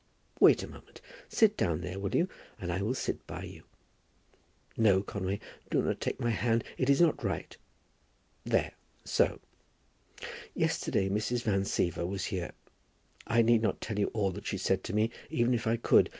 "Wait a moment. Sit down there, will you? and I will sit by you. No, Conway; do not take my hand. It is not right. There; so. Yesterday Mrs. Van Siever was here. I need not tell you all that she said to me, even if I could.